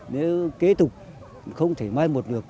nếu kế tục không thể mai một lượt